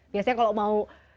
biasanya kalau mau